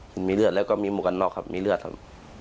หินมีเลือดแล้วก็มีมุกนอกครับมีเลือดครับ